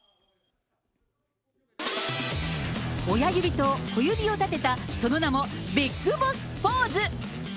親指と小指を立てた、その名も、ビッグボスポーズ。